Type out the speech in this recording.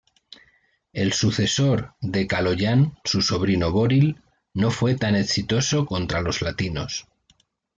El sucesor de Kaloyan, su sobrino Boril no fue tan exitoso contra los latinos.